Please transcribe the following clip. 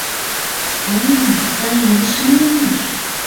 У, сай илыш вияҥеш!